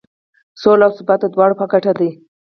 سوله او ثبات د دواړو په ګټه دی.